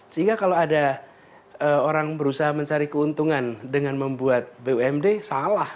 sehingga kalau ada orang berusaha mencari keuntungan dengan membuat bumd salah